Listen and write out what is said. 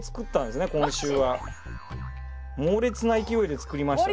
猛烈な勢いで作りましたね。